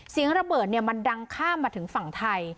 เสียงระเบิดมันดังข้ามมาถึงฝั่งไทย